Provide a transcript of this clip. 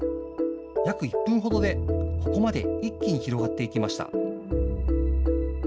約１分ほどで、ここまで一気に広がっていきました。